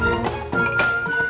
masih ada yang nangis